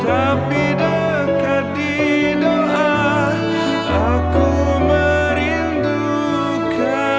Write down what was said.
om kangen sama rena